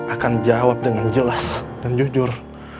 akan jawab dengan jelas dan jujur